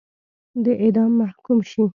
د اعدام محکوم شي.